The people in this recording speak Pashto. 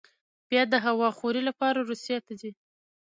بیا د هوا خورۍ لپاره روسیې ته ځي.